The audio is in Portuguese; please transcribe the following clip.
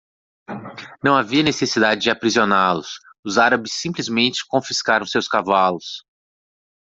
Não havia necessidade de aprisioná-los. Os árabes simplesmente confiscaram seus cavalos.